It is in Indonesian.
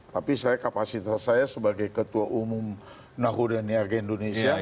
tapi kapasitas saya sebagai ketua umum nahu daniaga indonesia